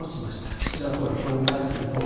岸田総理、これに対する答弁。